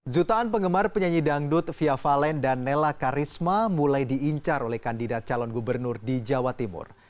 jutaan penggemar penyanyi dangdut fia valen dan nela karisma mulai diincar oleh kandidat calon gubernur di jawa timur